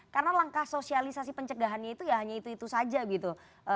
karena langkah sosialisasi pencegahannya itu ya hanya itu itu saja gitu